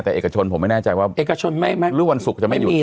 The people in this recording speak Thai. แต่เอกชนผมไม่แน่ใจว่าฤาษฐานรูปวันศุกร์จะไม่มีใช่มั้ย